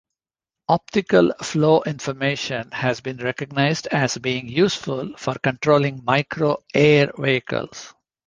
Optical flow information has been recognized as being useful for controlling micro air vehicles.